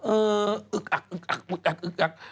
เอออึกอัก